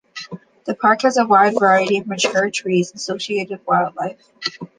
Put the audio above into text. The park has a wide variety of mature trees and associated wildlife.